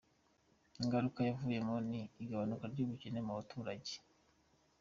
Ingaruka yavuyemo ni igabanuka ry’ubukene mu baturage”.